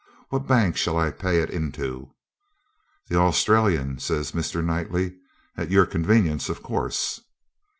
What bank shall I pay it into?' 'The Australian,' says Mr. Knightley. 'At your convenience, of course.'